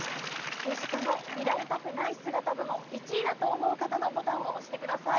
政治家の見られたくない姿部門１位だと思う方のボタンを押してください。